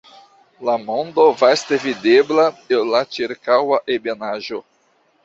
La monto vaste videbla el la ĉirkaŭa ebenaĵo.